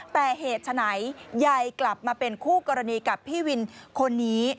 แต่เหตุฉะไหนยายกลับมาเป็นคู่กรณีกับพี่วินคนนี้